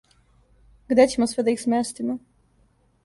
Где ћемо све да их сместимо?